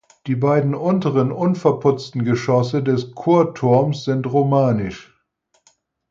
Die beiden unteren unverputzten Geschosse des Chorturms sind romanisch.